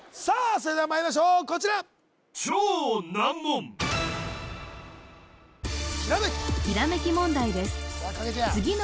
それではまいりましょうこちらひらめき！